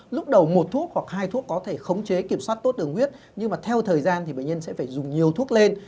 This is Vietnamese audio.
lúc đầu một thuốc hoặc hai thuốc có thể khống chế kiểm soát tốt đường huyết nhưng mà theo thời gian thì bệnh nhân sẽ phải dùng nhiều thuốc lên